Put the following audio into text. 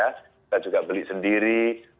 kita juga beli sendiri